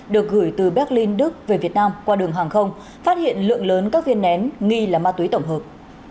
được gửi từ berlin đức về việt nam qua đường hàng không phát hiện lượng lớn các viên nén nghi là ma túy tổng hợp